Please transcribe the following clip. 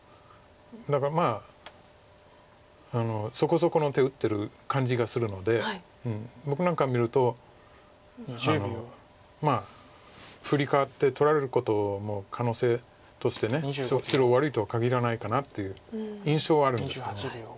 だからそこそこの手打ってる感じがするので僕なんか見るとまあフリカワって取られることの可能性として白悪いとは限らないかなっていう印象はあるんですけども。